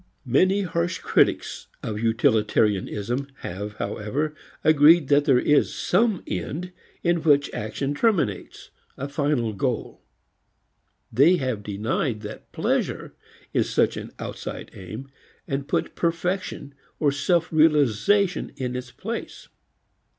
Many harsh critics of utilitarianism have however agreed that there is some end in which action terminates, a final goal. They have denied that pleasure is such an outside aim, and put perfection or self realization in its place.